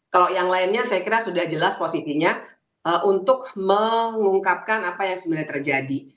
kalau yang lainnya saya kira sudah jelas posisinya untuk mengungkapkan apa yang sebenarnya terjadi